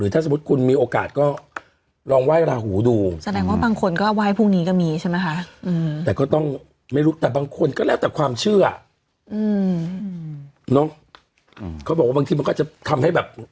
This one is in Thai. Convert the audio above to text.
ทำเชื่ออืมเนอะอืมเขาบอกว่าบางทีมันก็จะทำให้แบบ